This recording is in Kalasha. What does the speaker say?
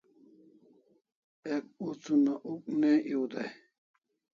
Ek uts una uk ne ew dai